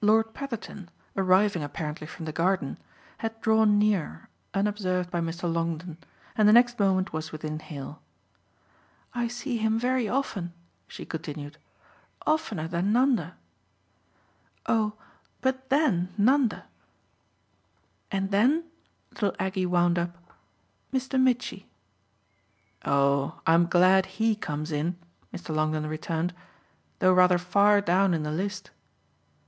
Lord Petherton, arriving apparently from the garden, had drawn near unobserved by Mr. Longdon and the next moment was within hail. "I see him very often," she continued "oftener than Nanda. Oh but THEN Nanda. And then," little Aggie wound up, "Mr. Mitchy." "Oh I'm glad HE comes in," Mr. Longdon returned, "though rather far down in the list."